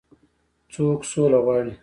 څوک سوله غواړي.